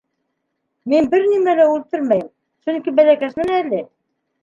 — Мин бер нимә лә үлтермәйем, сөнки бәләкәсмен әле.